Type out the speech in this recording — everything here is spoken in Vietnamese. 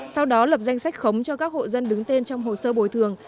sau đó lập danh sách khống cho các hộ dân đứng tên trong hồ sơ bồi thường